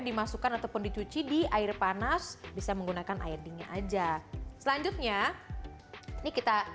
dimasukkan ataupun dicuci di air panas bisa menggunakan air dingin aja selanjutnya ini kita